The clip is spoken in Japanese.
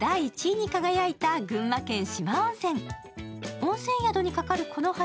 温泉宿に架かるこの橋